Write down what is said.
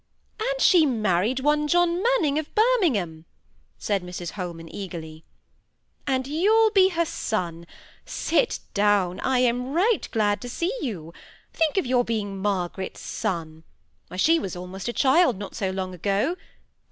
"And she married one John Manning, of Birmingham," said Mrs Holman, eagerly. "And you'll be her son. Sit down! I am right glad to see you. To think of your being Margaret's son! Why, she was almost a child not so long ago.